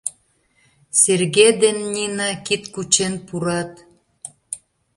Серге ден Нина кид кучен пурат.